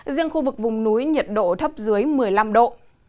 riêng khu vực vùng núi nhiệt độ thấp dưới một mươi năm độ